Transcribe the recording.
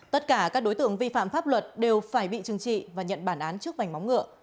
tất cả các đối tượng vi phạm pháp luật đều phải bị trừng trị và nhận bản án trước vành móng ngựa